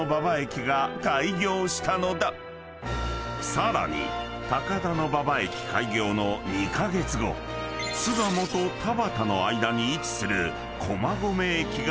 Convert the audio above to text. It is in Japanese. ［さらに高田馬場駅開業の２カ月後巣鴨と田端の間に位置する］